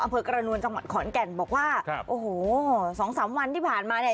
อำเภอกระนวลจังหวัดขอนแก่นบอกว่าครับโอ้โหสองสามวันที่ผ่านมาเนี่ย